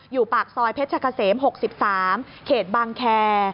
อยู่ปากซอยเพชรชะเกษม๖๓เขตบางแคร์